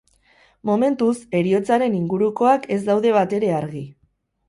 Momentuz, heriotzaren ingurukoak ez daude batere argi.